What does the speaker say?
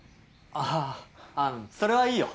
あああっそれはいいよ。